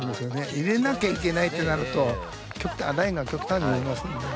入れなきゃいけないってなるとラインが極端になりますんでね。